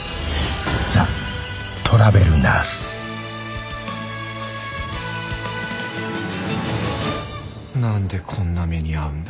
ザ・トラベルナースなんでこんな目に遭うんだ。